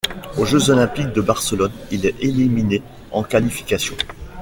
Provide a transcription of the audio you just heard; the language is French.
Aux Jeux olympiques de Barcelone il est éliminé en qualifications.